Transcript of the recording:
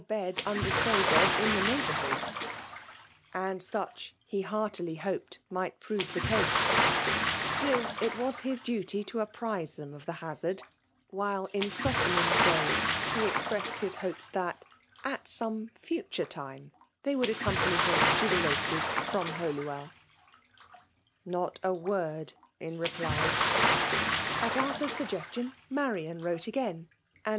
bedun*^ disposed of in the neighbourhood. And suohr he heartily hoped, might prove the case ; still* it was his duty to apprize them of thehazard; while in softening phrase, he expressed his hopes that, at some Juture time, they would accompany him to the races from Holywell, FfiMALtt idonmATioK; 13 V Not a trl>rd in r^ly I '^■»'/';'.::. At :4rthur siuggesil^ii, MwrianAffiroto nj^siti, and.